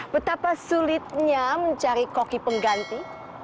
betapa sulitnya mencari koki pengganti